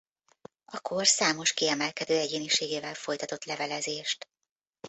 A kor számos kiemelkedő egyéniségével folytatott levelezést.